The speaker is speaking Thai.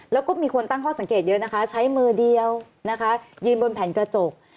แล้วก็มีคนตั้งข้อสังเกตเยอะนะคะใช้มือเดียวนะคะยืนบนแผ่นกระจก